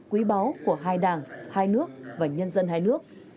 quý báu của hai đảng hai nước và nhân dân hai nước